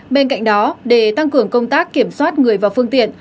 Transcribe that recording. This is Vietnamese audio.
bên cạnh đó để tăng cường công tác kiểm soát người và phương tiện